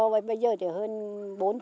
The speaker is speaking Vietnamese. bây giờ chỉ hơn bốn tiêu chí